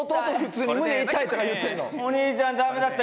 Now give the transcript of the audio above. お兄ちゃん駄目だった。